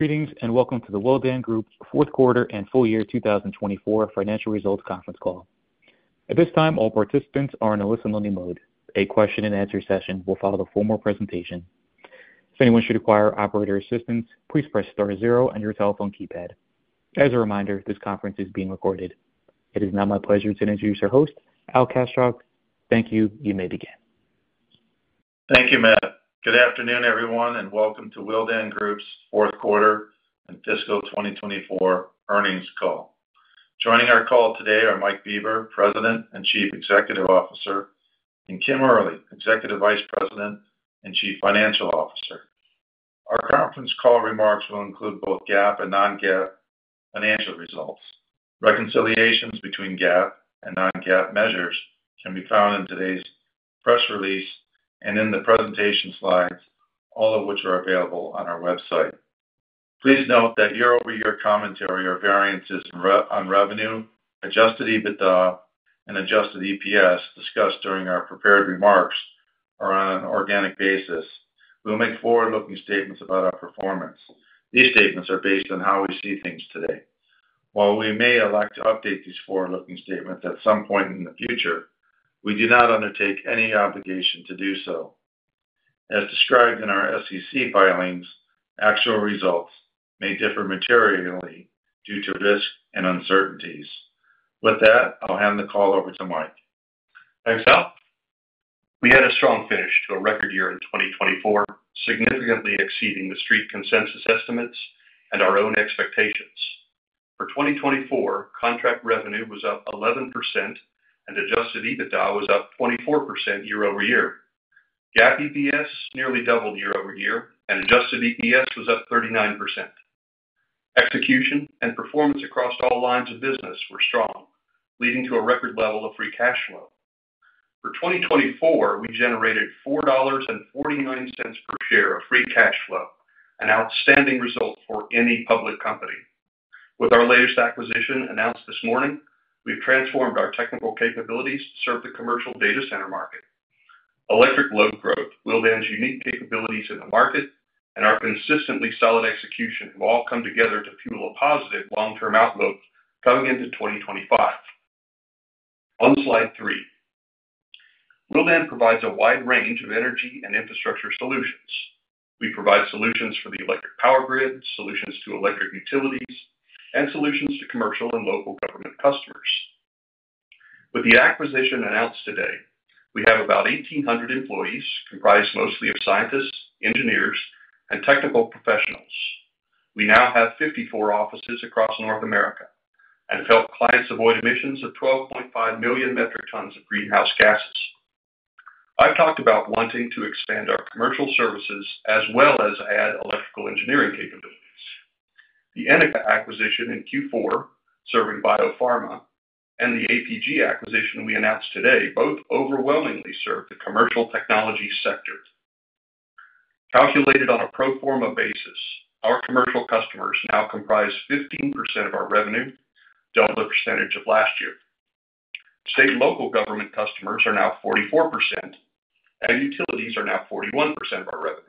Greetings and welcome to the Willdan Group's Fourth Quarter and Full Year 2024 Financial Results Conference Call. At this time, all participants are in a listen-only mode. A question-and-answer session will follow the formal presentation. If anyone should require operator assistance, please press star zero on your telephone keypad. As a reminder, this conference is being recorded. It is now my pleasure to introduce our host, Al Kaschalk. Thank you. You may begin. Thank you, Matt. Good afternoon, everyone, and welcome to Willdan Group's fourth quarter and fiscal 2024 earnings call. Joining our call today are Mike Bieber, President and Chief Executive Officer, and Kim Early, Executive Vice President and Chief Financial Officer. Our conference call remarks will include both GAAP and non-GAAP financial results. Reconciliations between GAAP and non-GAAP measures can be found in today's press release and in the presentation slides, all of which are available on our website. Please note that year-over-year commentary or variances on revenue, adjusted EBITDA, and adjusted EPS discussed during our prepared remarks are on an organic basis. We will make forward-looking statements about our performance. These statements are based on how we see things today. While we may elect to update these forward-looking statements at some point in the future, we do not undertake any obligation to do so. As described in our SEC filings, actual results may differ materially due to risk and uncertainties. With that, I'll hand the call over to Mike. Thanks, Al. We had a strong finish to a record year in 2024, significantly exceeding the Street consensus estimates and our own expectations. For 2024, contract revenue was up 11%, and adjusted EBITDA was up 24% year-over-year. GAAP EPS nearly doubled year-over-year, and adjusted EPS was up 39%. Execution and performance across all lines of business were strong, leading to a record level of free cash flow. For 2024, we generated $4.49 per share of free cash flow, an outstanding result for any public company. With our latest acquisition announced this morning, we've transformed our technical capabilities to serve the commercial data center market. Electric load growth, Willdan's unique capabilities in the market, and our consistently solid execution have all come together to fuel a positive long-term outlook coming into 2025. On slide three, Willdan provides a wide range of energy and infrastructure solutions. We provide solutions for the electric power grid, solutions to electric utilities, and solutions to commercial and local government customers. With the acquisition announced today, we have about 1,800 employees comprised mostly of scientists, engineers, and technical professionals. We now have 54 offices across North America and have helped clients avoid emissions of 12.5 million metric tons of greenhouse gases. I've talked about wanting to expand our commercial services as well as add electrical engineering capabilities. The Enica acquisition in Q4, serving biopharma, and the APG acquisition we announced today both overwhelmingly served the commercial technology sector. Calculated on a pro forma basis, our commercial customers now comprise 15% of our revenue, double the percentage of last year. State and local government customers are now 44%, and utilities are now 41% of our revenue.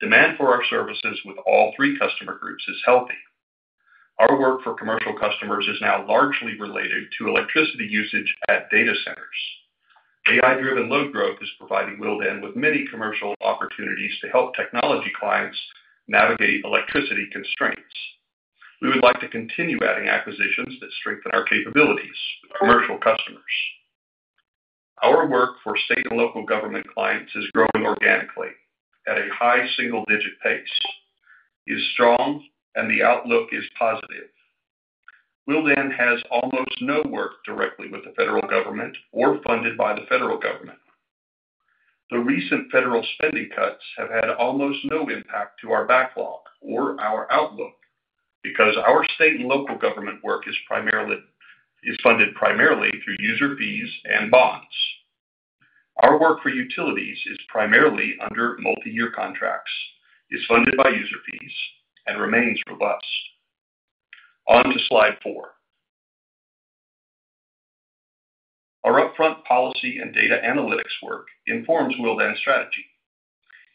Demand for our services with all three customer groups is healthy. Our work for commercial customers is now largely related to electricity usage at data centers. AI-driven load growth is providing Willdan with many commercial opportunities to help technology clients navigate electricity constraints. We would like to continue adding acquisitions that strengthen our capabilities with commercial customers. Our work for state and local government clients is growing organically at a high single-digit pace. It is strong, and the outlook is positive. Willdan has almost no work directly with the federal government or funded by the federal government. The recent federal spending cuts have had almost no impact to our backlog or our outlook because our state and local government work is funded primarily through user fees and bonds. Our work for utilities is primarily under multi-year contracts, is funded by user fees, and remains robust. On to slide four. Our upfront policy and data analytics work informs Willdan's strategy.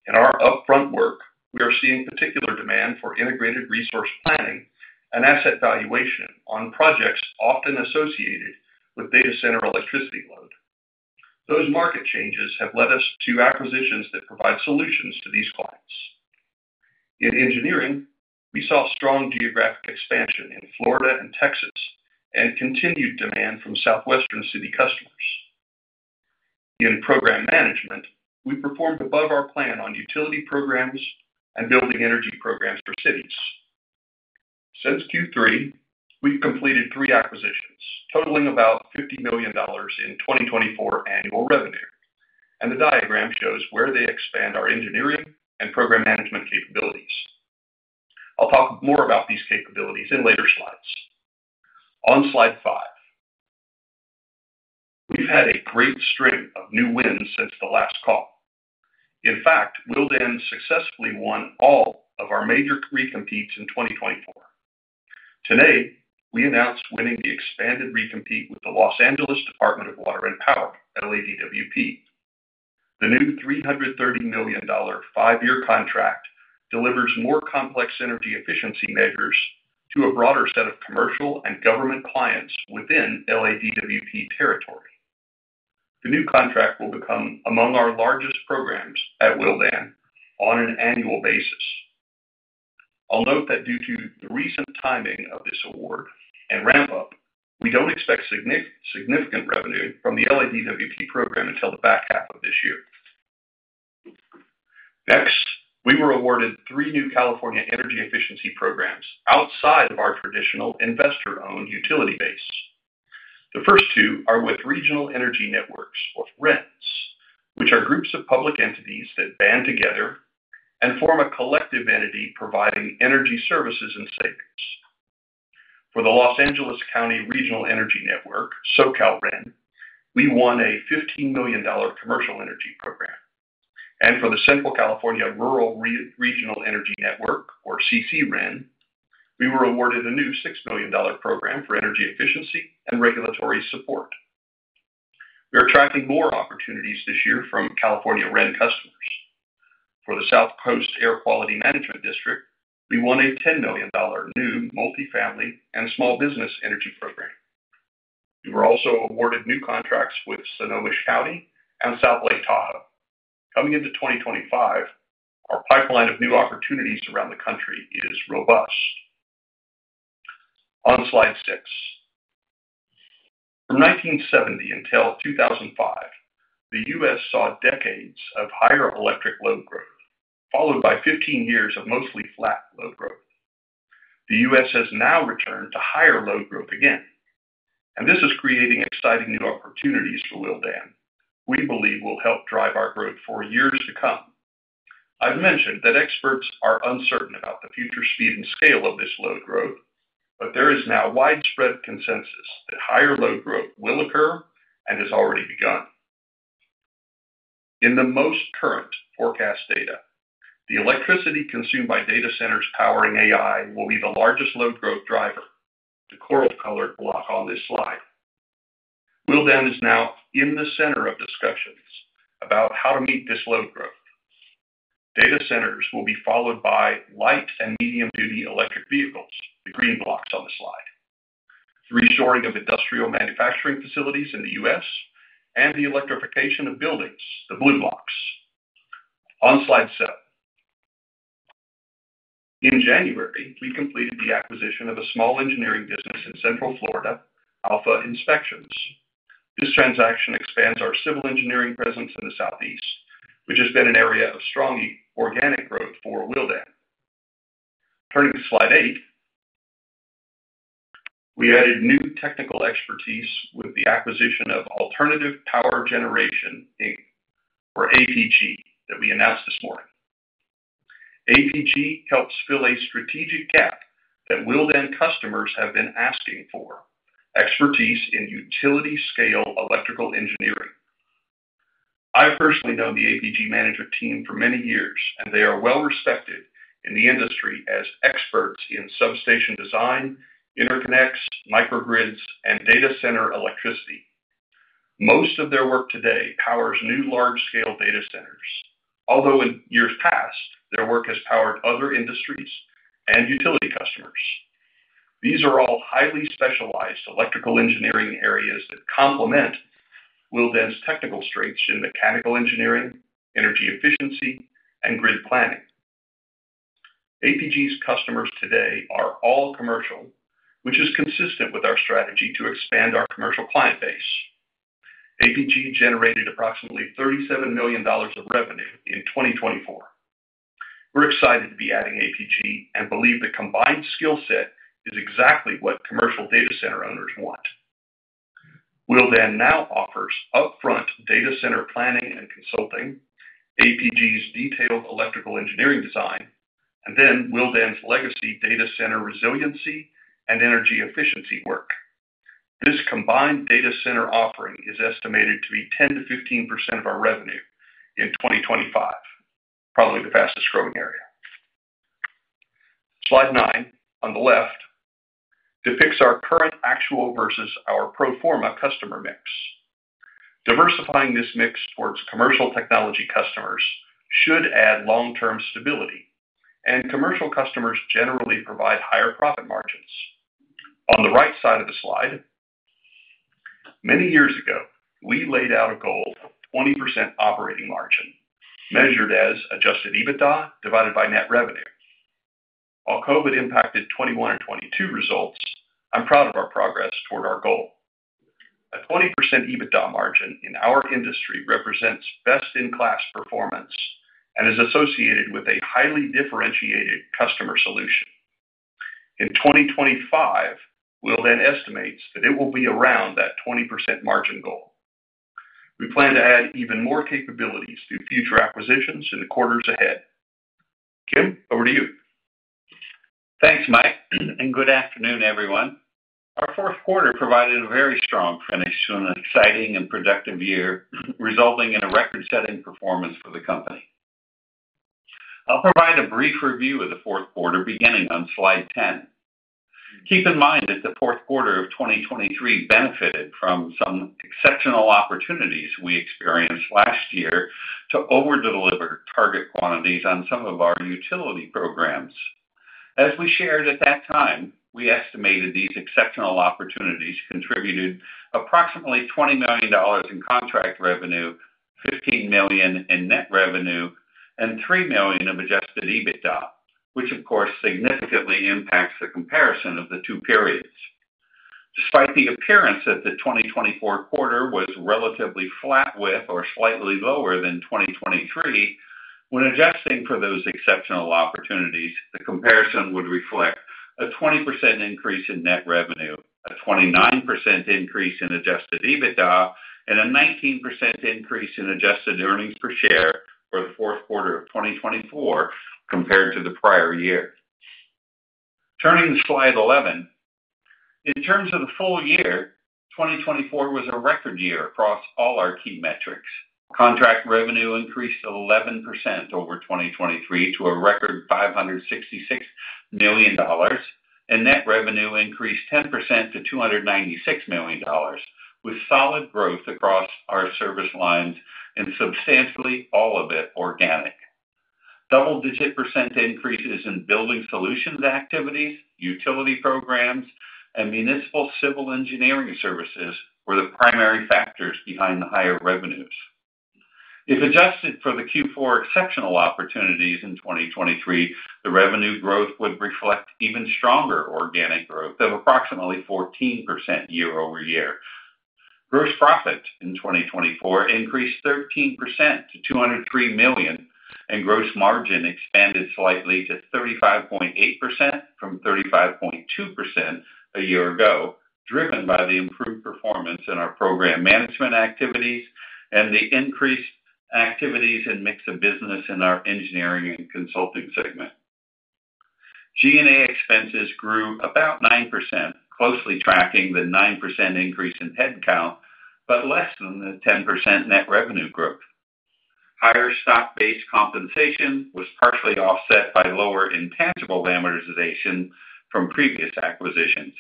In our upfront work, we are seeing particular demand for integrated resource planning and asset valuation on projects often associated with data center electricity load. Those market changes have led us to acquisitions that provide solutions to these clients. In engineering, we saw strong geographic expansion in Florida and Texas and continued demand from southwestern city customers. In program management, we performed above our plan on utility programs and building energy programs for cities. Since Q3, we've completed three acquisitions, totaling about $50 million in 2024 annual revenue, and the diagram shows where they expand our engineering and program management capabilities. I'll talk more about these capabilities in later slides. On slide five, we've had a great string of new wins since the last call. In fact, Willdan successfully won all of our major recompetes in 2024. Today, we announced winning the expanded recompete with the Los Angeles Department of Water and Power (LADWP). The new $330 million five-year contract delivers more complex energy efficiency measures to a broader set of commercial and government clients within LADWP territory. The new contract will become among our largest programs at Willdan on an annual basis. I'll note that due to the recent timing of this award and ramp-up, we don't expect significant revenue from the LADWP program until the back half of this year. Next, we were awarded three new California energy efficiency programs outside of our traditional investor-owned utility base. The first two are with Regional Energy Networks or RENs, which are groups of public entities that band together and form a collective entity providing energy services and savings. For the Los Angeles County Regional Energy Network, SoCalREN, we won a $15 million commercial energy program. For the Central California Rural Regional Energy Network, or CCREN, we were awarded a new $6 million program for energy efficiency and regulatory support. We are attracting more opportunities this year from California REN customers. For the South Coast Air Quality Management District, we won a $10 million new multifamily and small business energy program. We were also awarded new contracts with Snohomish County and South Lake Tahoe. Coming into 2025, our pipeline of new opportunities around the country is robust. On slide six, from 1970 until 2005, the U.S. saw decades of higher electric load growth, followed by 15 years of mostly flat load growth. The U.S. has now returned to higher load growth again, and this is creating exciting new opportunities for Willdan, we believe will help drive our growth for years to come. I've mentioned that experts are uncertain about the future speed and scale of this load growth, but there is now widespread consensus that higher load growth will occur and has already begun. In the most current forecast data, the electricity consumed by data centers powering AI will be the largest load growth driver, the coral-colored block on this slide. Willdan is now in the center of discussions about how to meet this load growth. Data centers will be followed by light and medium-duty electric vehicles, the green blocks on the slide. The reshoring of industrial manufacturing facilities in the U.S. and the electrification of buildings, the blue blocks. On slide seven, in January, we completed the acquisition of a small engineering business in Central Florida, Alpha Inspections. This transaction expands our civil engineering presence in the southeast, which has been an area of strong organic growth for Willdan. Turning to slide eight, we added new technical expertise with the acquisition of Alternative Power Generation, Inc., or APG, that we announced this morning. APG helps fill a strategic gap that Willdan customers have been asking for: expertise in utility-scale electrical engineering. I personally know the APG management team for many years, and they are well-respected in the industry as experts in substation design, interconnects, microgrids, and data center electricity. Most of their work today powers new large-scale data centers, although in years past, their work has powered other industries and utility customers. These are all highly-specialized electrical engineering areas that complement Willdan's technical strengths in mechanical engineering, energy efficiency, and grid planning. APG's customers today are all commercial, which is consistent with our strategy to expand our commercial client base. APG generated approximately $37 million of revenue in 2024. We're excited to be adding APG and believe the combined skill set is exactly what commercial data center owners want. Willdan now offers upfront data center planning and consulting, APG's detailed electrical engineering design, and then Willdan's legacy data center resiliency and energy efficiency work. This combined data center offering is estimated to be 10-15% of our revenue in 2025, probably the fastest growing area. Slide nine on the left depicts our current actual versus our pro forma customer mix. Diversifying this mix towards commercial technology customers should add long-term stability, and commercial customers generally provide higher profit margins. On the right side of the slide, many years ago, we laid out a goal of 20% operating margin measured as adjusted EBITDA divided by net revenue. While COVID impacted 2021 and 2022 results, I'm proud of our progress toward our goal. A 20% EBITDA margin in our industry represents best-in-class performance and is associated with a highly differentiated customer solution. In 2025, Willdan estimates that it will be around that 20% margin goal. We plan to add even more capabilities through future acquisitions in the quarters ahead. Kim, over to you. Thanks, Mike, and good afternoon, everyone. Our fourth quarter provided a very strong finish to an exciting and productive year, resulting in a record-setting performance for the company. I'll provide a brief review of the fourth quarter beginning on slide 10. Keep in mind that the fourth quarter of 2023 benefited from some exceptional opportunities we experienced last year to overdeliver target quantities on some of our utility programs. As we shared at that time, we estimated these exceptional opportunities contributed approximately $20 million in contract revenue, $15 million in net revenue, and $3 million of adjusted EBITDA, which, of course, significantly impacts the comparison of the two periods. Despite the appearance that the 2024 quarter was relatively flat with or slightly lower than 2023, when adjusting for those exceptional opportunities, the comparison would reflect a 20% increase in net revenue, a 29% increase in adjusted EBITDA, and a 19% increase in adjusted earnings per share for the fourth quarter of 2024 compared to the prior year. Turning to slide 11, in terms of the full year, 2024 was a record year across all our key metrics. Contract revenue increased 11% over 2023 to a record $566 million, and net revenue increased 10% to $296 million, with solid growth across our service lines and substantially all of it organic. Double-digit % increases in building solutions activities, utility programs, and municipal civil engineering services were the primary factors behind the higher revenues. If adjusted for the Q4 exceptional opportunities in 2023, the revenue growth would reflect even stronger organic growth of approximately 14% year-over-year. Gross profit in 2024 increased 13% to $203 million, and gross margin expanded slightly to 35.8% from 35.2% a year ago, driven by the improved performance in our program management activities and the increased activities and mix of business in our engineering and consulting segment. G&A expenses grew about 9%, closely tracking the 9% increase in headcount, but less than the 10% net revenue growth. Higher stock-based compensation was partially offset by lower intangible amortization from previous acquisitions,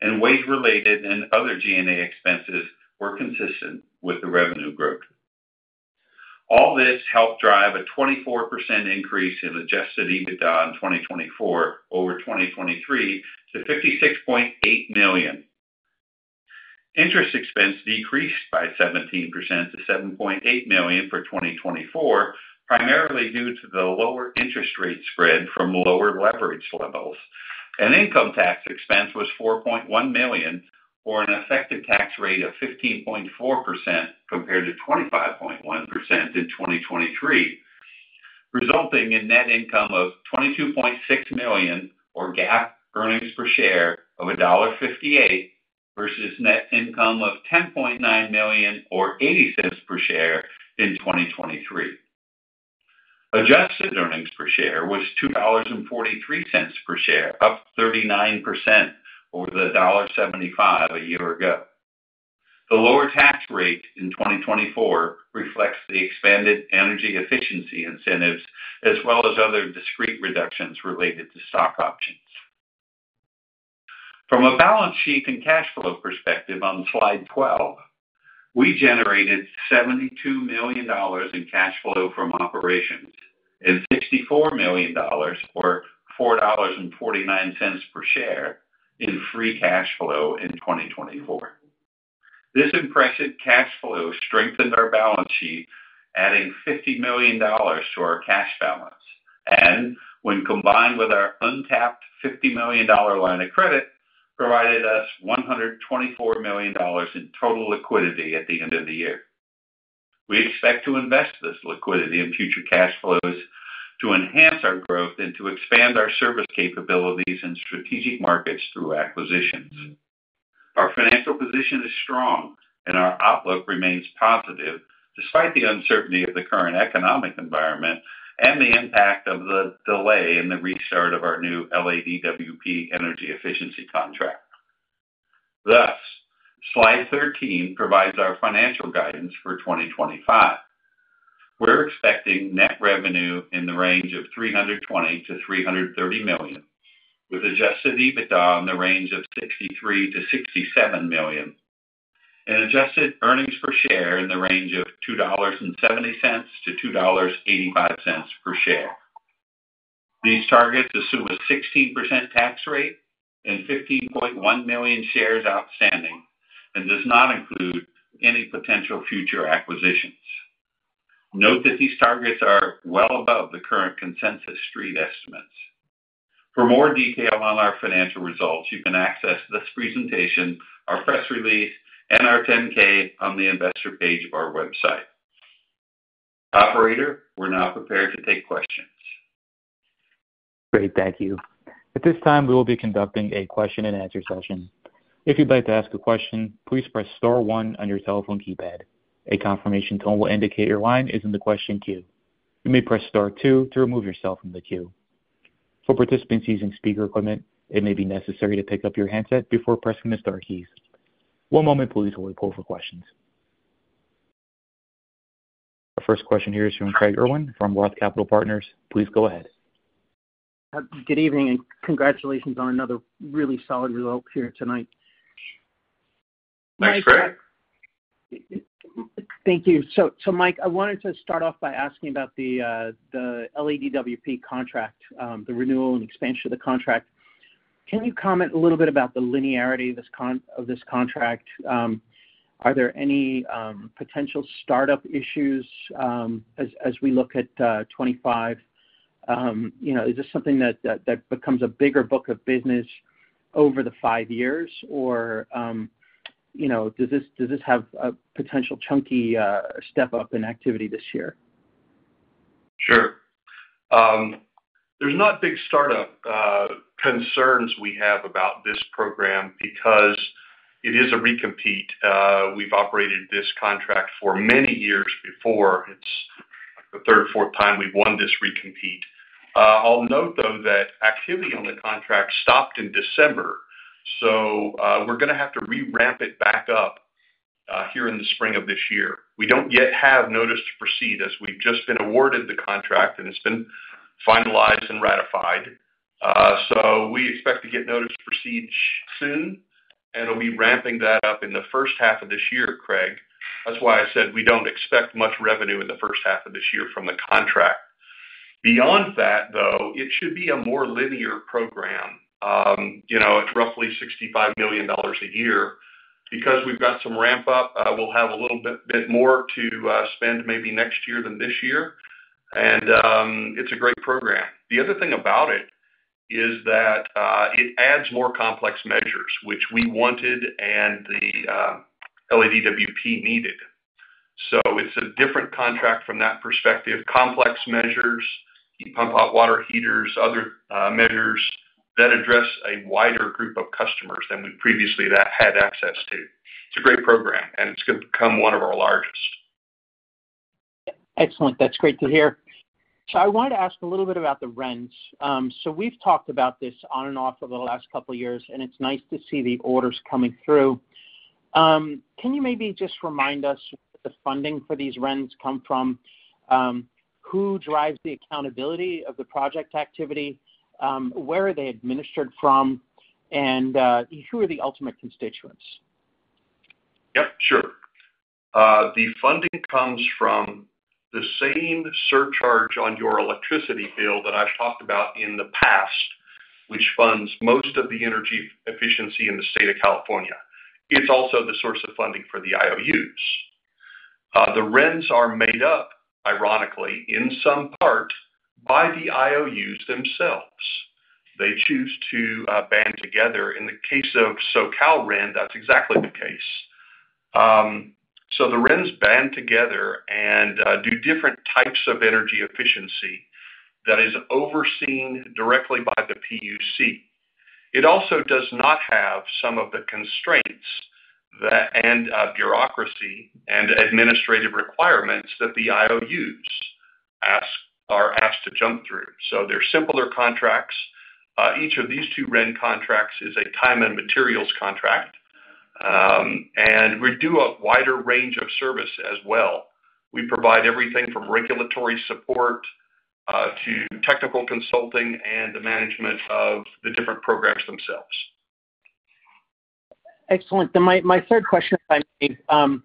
and wage-related and other G&A expenses were consistent with the revenue growth. All this helped drive a 24% increase in adjusted EBITDA in 2024 over 2023 to $56.8 million. Interest expense decreased by 17% to $7.8 million for 2024, primarily due to the lower interest rate spread from lower leverage levels. Income tax expense was $4.1 million for an effective tax rate of 15.4% compared to 25.1% in 2023, resulting in net income of $22.6 million or GAAP earnings per share of $1.58 versus net income of $10.9 million or $0.80 per share in 2023. Adjusted earnings per share was $2.43 per share, up 39% over the $1.75 a year ago. The lower tax rate in 2024 reflects the expanded energy efficiency incentives, as well as other discrete reductions related to stock options. From a balance sheet and cash flow perspective on slide 12, we generated $72 million in cash flow from operations and $64 million, or $4.49 per share, in free cash flow in 2024. This impressive cash flow strengthened our balance sheet, adding $50 million to our cash balance, and when combined with our untapped $50 million line of credit, provided us $124 million in total liquidity at the end of the year. We expect to invest this liquidity in future cash flows to enhance our growth and to expand our service capabilities and strategic markets through acquisitions. Our financial position is strong, and our outlook remains positive despite the uncertainty of the current economic environment and the impact of the delay in the restart of our new LADWP energy efficiency contract. Thus, slide 13 provides our financial guidance for 2025. We're expecting net revenue in the range of $320 million to $330 million, with adjusted EBITDA in the range of $63 million to $67 million, and adjusted earnings per share in the range of $2.70 to $2.85 per share. These targets assume a 16% tax rate and 15.1 million shares outstanding and do not include any potential future acquisitions. Note that these targets are well above the current consensus street estimates. For more detail on our financial results, you can access this presentation, our press release, and our 10-K on the investor page of our website. Operator, we're now prepared to take questions. Great, thank you. At this time, we will be conducting a question-and-answer session. If you'd like to ask a question, please press star one on your telephone keypad. A confirmation tone will indicate your line is in the question queue. You may press star two to remove yourself from the queue. For participants using speaker equipment, it may be necessary to pick up your handset before pressing the star keys. One moment, please, while we pull up our questions. Our first question here is from Craig Irwin from Roth Capital Partners. Please go ahead. Good evening, and congratulations on another really solid result here tonight. Thanks, Craig. Thank you. Mike, I wanted to start off by asking about the LADWP contract, the renewal and expansion of the contract. Can you comment a little bit about the linearity of this contract? Are there any potential startup issues as we look at 2025? Is this something that becomes a bigger book of business over the five years, or does this have a potential chunky step-up in activity this year? Sure. There's not big startup concerns we have about this program because it is a recompete. We've operated this contract for many years before. It's the third, fourth time we've won this recompete. I'll note, though, that activity on the contract stopped in December, so we're going to have to re-ramp it back up here in the spring of this year. We don't yet have notice to proceed, as we've just been awarded the contract, and it's been finalized and ratified. We expect to get notice to proceed soon, and we'll be ramping that up in the first half of this year, Craig. That's why I said we don't expect much revenue in the first half of this year from the contract. Beyond that, though, it should be a more linear program. It's roughly $65 million a year. Because we've got some ramp-up, we'll have a little bit more to spend maybe next year than this year, and it's a great program. The other thing about it is that it adds more complex measures, which we wanted and the LADWP needed. It is a different contract from that perspective. Complex measures, pump out water heaters, other measures that address a wider group of customers than we previously had access to. It's a great program, and it's going to become one of our largest. Excellent. That's great to hear. I wanted to ask a little bit about the RENs. We've talked about this on and off over the last couple of years, and it's nice to see the orders coming through. Can you maybe just remind us where the funding for these RENs comes from? Who drives the accountability of the project activity? Where are they administered from? Who are the ultimate constituents? Yep, sure. The funding comes from the same surcharge on your electricity bill that I've talked about in the past, which funds most of the energy efficiency in the state of California. It's also the source of funding for the IOUs. The RENs are made up, ironically, in some part, by the IOUs themselves. They choose to band together. In the case of SoCalREN, that's exactly the case. The RENs band together and do different types of energy efficiency that is overseen directly by the PUC. It also does not have some of the constraints and bureaucracy and administrative requirements that the IOUs are asked to jump through. They're simpler contracts. Each of these two REN contracts is a time and materials contract, and we do a wider range of service as well. We provide everything from regulatory support to technical consulting and the management of the different programs themselves. Excellent. My third question, if I may,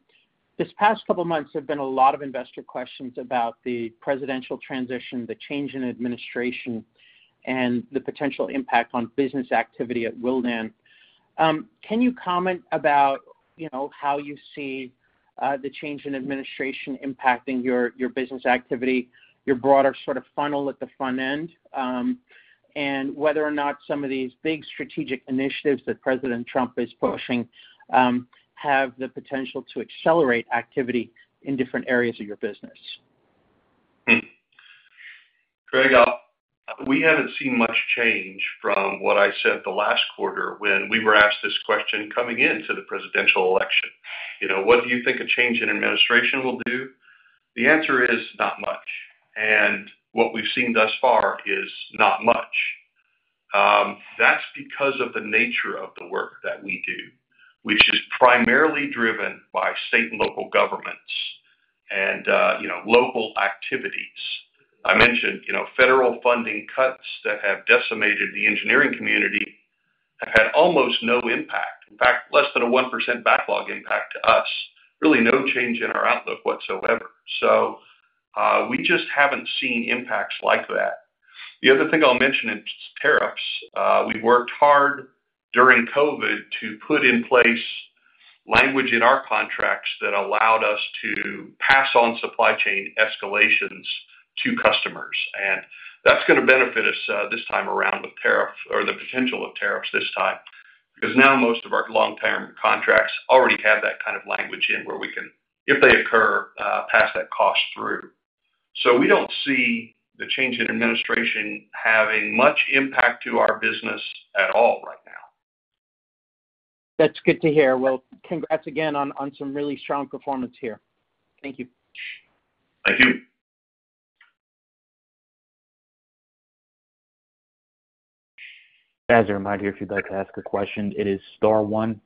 this past couple of months have been a lot of investor questions about the presidential transition, the change in administration, and the potential impact on business activity at Willdan. Can you comment about how you see the change in administration impacting your business activity, your broader sort of funnel at the front end, and whether or not some of these big strategic initiatives that President Trump is pushing have the potential to accelerate activity in different areas of your business? Craig, we have not seen much change from what I said the last quarter when we were asked this question coming into the presidential election. 'What do you think a change in administration will do?" The answer is not much. What we have seen thus far is not much. That is because of the nature of the work that we do, which is primarily driven by state and local governments and local activities. I mentioned federal funding cuts that have decimated the engineering community have had almost no impact, in fact, less than a 1% backlog impact to us, really no change in our outlook whatsoever. We just have not seen impacts like that. The other thing I will mention is tariffs. We worked hard during COVID to put in place language in our contracts that allowed us to pass on supply chain escalations to customers. That is going to benefit us this time around with tariffs or the potential of tariffs this time because now most of our long-term contracts already have that kind of language in where we can, if they occur, pass that cost through. We do not see the change in administration having much impact to our business at all right now. That's good to hear. Congrats again on some really strong performance here. Thank you. Thank you. As a reminder, if you'd like to ask a question, it is star one.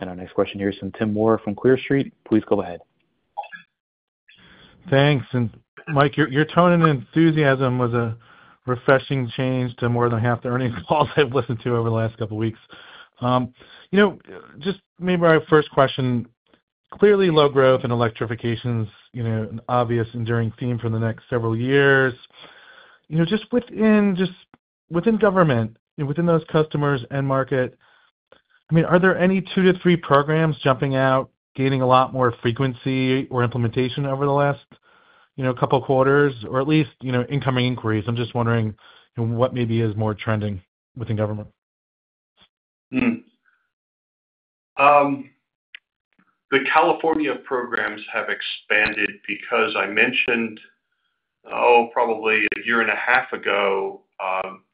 Our next question here is from Tim Moore from Clear Street. Please go ahead. Thanks. Mike, your tone and enthusiasm was a refreshing change to more than half the earnings calls I've listened to over the last couple of weeks. Just maybe our first question, clearly load growth and electrification is an obvious enduring theme for the next several years. Just within government, within those customers and market, I mean, are there any two to three programs jumping out, gaining a lot more frequency or implementation over the last couple of quarters, or at least incoming inquiries? I'm just wondering what maybe is more trending within government. The California programs have expanded because I mentioned, oh, probably a year and a half ago,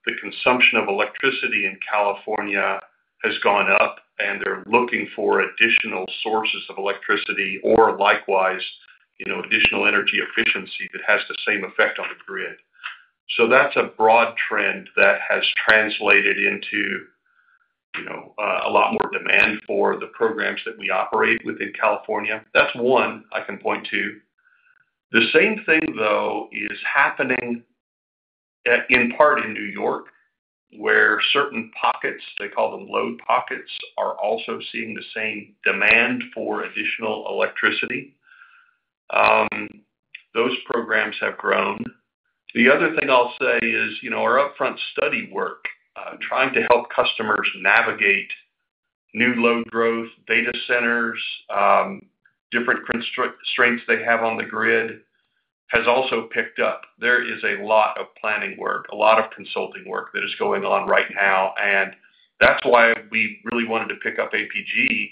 the consumption of electricity in California has gone up, and they're looking for additional sources of electricity or likewise additional energy efficiency that has the same effect on the grid. That's a broad trend that has translated into a lot more demand for the programs that we operate within California. That's one I can point to. The same thing, though, is happening in part in New York, where certain pockets, they call them load pockets, are also seeing the same demand for additional electricity. Those programs have grown. The other thing I'll say is our upfront study work trying to help customers navigate new load growth, data centers, different constraints they have on the grid has also picked up. There is a lot of planning work, a lot of consulting work that is going on right now. That is why we really wanted to pick up APG.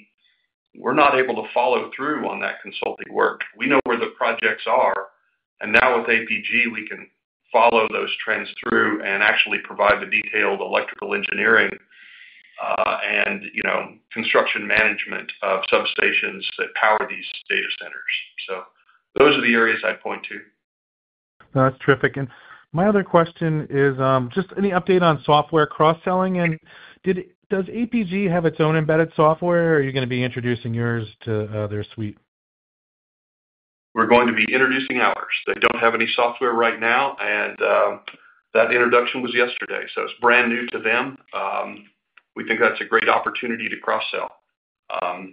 We are not able to follow through on that consulting work. We know where the projects are. Now with APG, we can follow those trends through and actually provide the detailed electrical engineering and construction management of substations that power these data centers. Those are the areas I would point to. That's terrific. My other question is just any update on software cross-selling? Does APG have its own embedded software, or are you going to be introducing yours to their suite? We're going to be introducing ours. They don't have any software right now, and that introduction was yesterday. It is brand new to them. We think that's a great opportunity to cross-sell.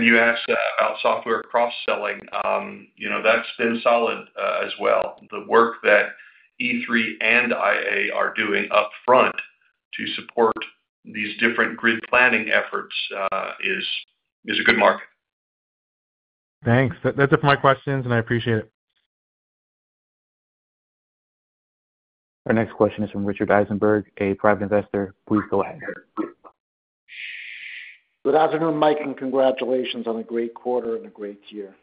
You asked about software cross-selling. That's been solid as well. The work that E3 and IA are doing upfront to support these different grid planning efforts is a good market. Thanks. That's it for my questions, and I appreciate it. Our next question is from Richard Eisenberg, a private investor. Please go ahead. Good afternoon, Mike, and congratulations on a great quarter and a great year.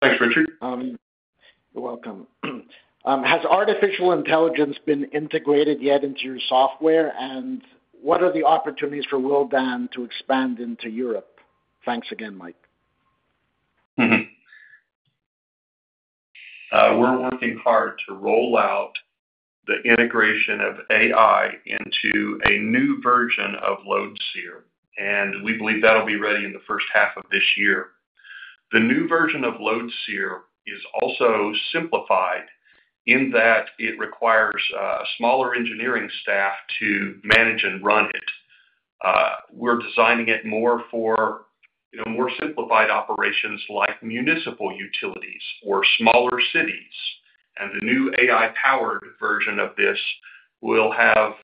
Thanks, Richard. You're welcome. Has artificial intelligence been integrated yet into your software, and what are the opportunities for Willdan to expand into Europe? Thanks again, Mike. We're working hard to roll out the integration of AI into a new version of LoadSEER, and we believe that'll be ready in the first half of this year. The new version of LoadSEER is also simplified in that it requires a smaller engineering staff to manage and run it. We're designing it more for more simplified operations like municipal utilities or smaller cities. The new AI-powered version of this will have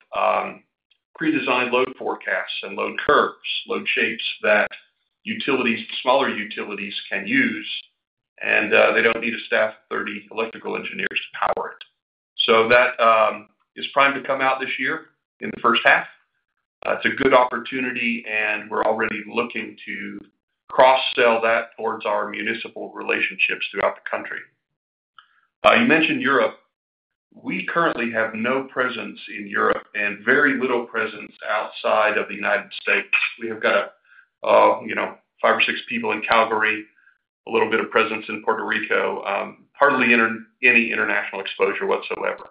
pre-designed load forecasts and load curves, load shapes that smaller utilities can use, and they don't need a staff of 30 electrical engineers to power it. That is primed to come out this year in the first half. It's a good opportunity, and we're already looking to cross-sell that towards our municipal relationships throughout the country. You mentioned Europe. We currently have no presence in Europe and very little presence outside of the U.S. We have got five or six people in Calgary, a little bit of presence in Puerto Rico, hardly any international exposure whatsoever.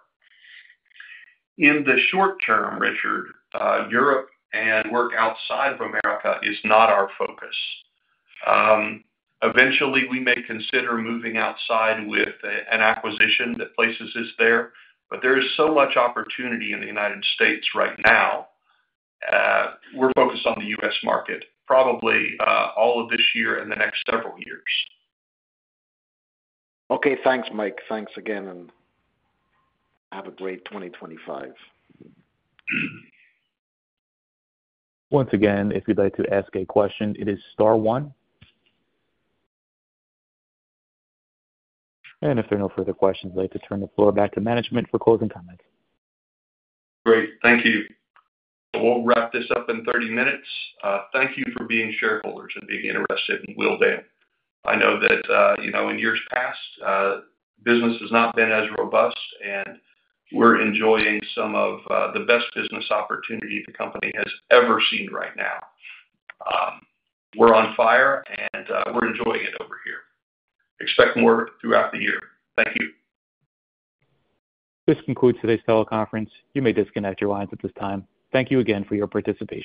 In the short term, Richard, Europe and work outside of America is not our focus. Eventually, we may consider moving outside with an acquisition that places us there. There is so much opportunity in the U.S. right now. We're focused on the U.S. market, probably all of this year and the next several years. Okay. Thanks, Mike. Thanks again, and have a great 2025. Once again, if you'd like to ask a question, it is star one. If there are no further questions, I'd like to turn the floor back to management for closing comments. Great. Thank you. We will wrap this up in 30 minutes. Thank you for being shareholders and being interested in Willdan. I know that in years past, business has not been as robust, and we are enjoying some of the best business opportunity the company has ever seen right now. We are on fire, and we are enjoying it over here. Expect more throughout the year. Thank you. This concludes today's teleconference. You may disconnect your lines at this time. Thank you again for your participation.